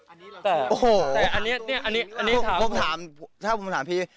อันนี้เราโอ้โหแต่อันนี้เนี่ยอันนี้อันนี้ถามผมถามถ้าผมถามพี่